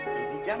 nah ini jang